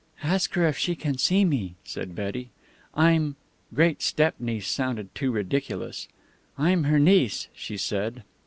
"Ask her if she can see me," said Betty. "I'm " great step niece sounded too ridiculous "I'm her niece," she said.